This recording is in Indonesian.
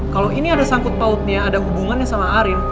kalau ini ada sangkut pautnya ada hubungannya sama arin